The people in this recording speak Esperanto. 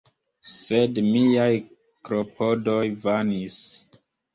Sed miaj klopodoj vanis.